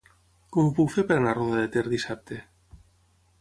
Com ho puc fer per anar a Roda de Ter dissabte?